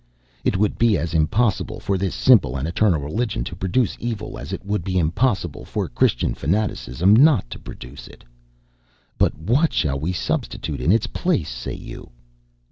It would be as impossible for this simple and eternal religion to produce evil, as it would be impossible for Christian fanaticism not to produce it.... But what shall we substitute in its place? say you.